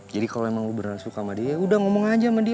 jadi kalo emang lo beneran suka sama dia udah ngomong aja sama dia